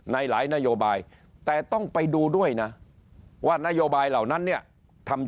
ในหลายนโยบายแต่ต้องไปดูด้วยนะว่านโยบายเหล่านั้นเนี่ยทำ